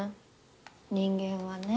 人間はね